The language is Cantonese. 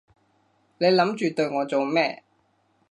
你諗住對我做咩？